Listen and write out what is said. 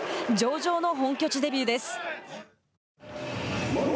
上々の本拠地デビューです。